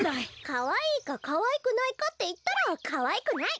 かわいいかかわいくないかっていったらかわいくない！